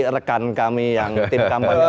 rekan kami yang tim kampanye